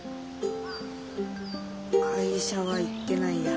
会社は行ってないや。